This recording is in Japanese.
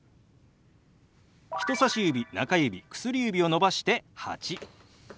人さし指中指薬指を伸ばして「８」。